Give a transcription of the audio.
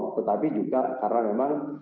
tetapi juga karena memang